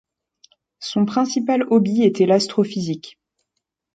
Son principal hobby était l'astrophysique.